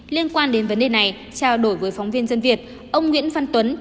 liên quan đến vấn đề này trao đổi với phóng viên dân việt ông nguyễn văn tuấn